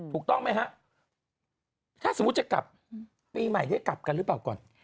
ถูกต้องไหมฮะถ้าสมมุติจะกลับปีใหม่ได้กลับกันหรือเปล่าก่อน